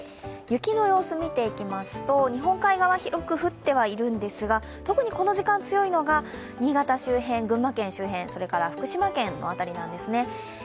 雪の様子見ていきますと日本海側、広く降ってはいるんですが特にこの時間強いのは新潟周辺、群馬周辺、それから福島県の辺りなんですね。